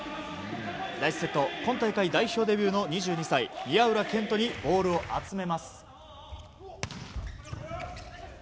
第１セット、今大会代表デビューの２２歳宮浦健人にボールを集めます。